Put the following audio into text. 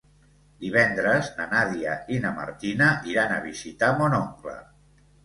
Divendres na Nàdia i na Martina iran a visitar mon oncle.